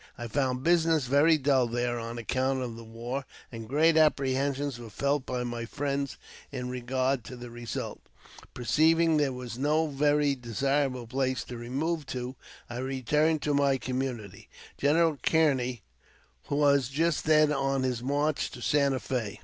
I found business very dull there on account of the war, and great apprehensions were felt by my friends in regard to the result. Perceiving that was no very desirable place to remove to, I returned to my community. General Kearney was just then on his march to Santa F6.